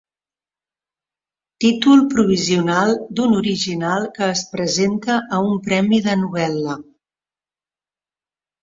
Títol provisional d'un original que es presenta a un premi de novel·la.